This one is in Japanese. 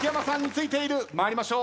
参りましょう。